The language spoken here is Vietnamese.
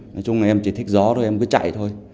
nói chung là em chỉ thích gió thôi em cứ chạy thôi